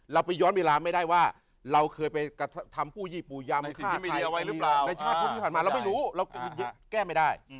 เราไปย้อนเวลาไม่ได้ว่าเราเคยไปทำผู้ยี่ปูยามในชาติพวกที่ผ่านมาเราไม่รู้แก้ไม่ได้